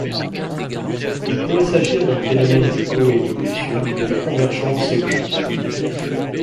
Il pourrait s'agir d'un phénomène de coévolution et de convergence évolutive.